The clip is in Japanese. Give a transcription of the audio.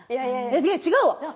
違うわ！